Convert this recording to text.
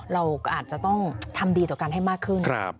เราก็อาจจะต้องทำดีต่อกันให้มากขึ้น